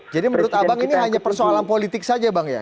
jadi menurut abang ini hanya persoalan politik saja bang ya